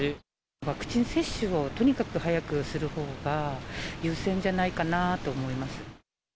ワクチン接種をとにかく早くするほうが優先じゃないかなと思います。